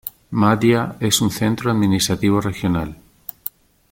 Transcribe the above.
Mahdia es un centro administrativo regional.